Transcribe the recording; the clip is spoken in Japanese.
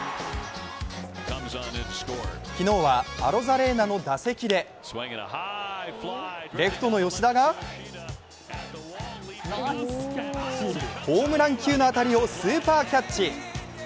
昨日はアロザレーナの打席でレフトの吉田がホームラン級の当たりをスーパーキャッチ。